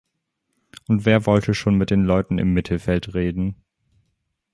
Und wer wolle schon mit den Leuten im Mittelfeld reden?